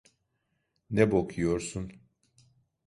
Ne bok yiyorsun?